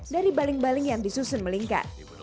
dari baling baling yang disusun melingkar